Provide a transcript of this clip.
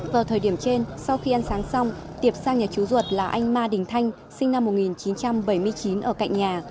vào thời điểm trên sau khi ăn sáng xong tiệp sang nhà chú ruột là anh ma đình thanh sinh năm một nghìn chín trăm bảy mươi chín ở cạnh nhà